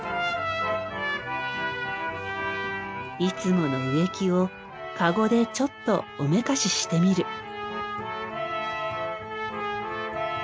いつもの植木をかごでちょっとおめかししてみる。